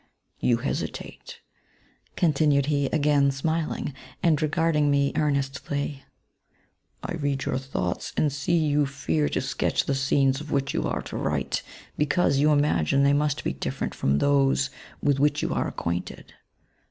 You h^sitate,^ continued he, again smiling, and re garding me earnestly :*^ I read your thoughts, and see you fear to sketch the scenes of which you are to write, because you imagine they must be different from those with which you are acquainted.